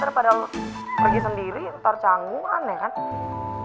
daripada lo pergi sendiri ntar canggung aneh kan